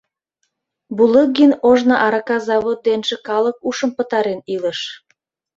Булыгин ожно арака завод денже калык ушым пытарен илыш.